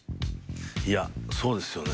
いやそうですよね。